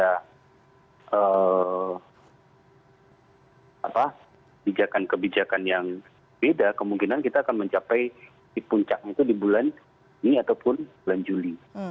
kebijakan kebijakan yang beda kemungkinan kita akan mencapai di puncaknya itu di bulan ini ataupun bulan juli